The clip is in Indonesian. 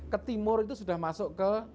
ke timur itu sudah masuk ke